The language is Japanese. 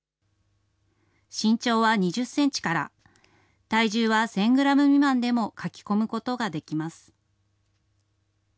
身長は２０センチから、体重は１０００グラム未満でも書き込むことができます。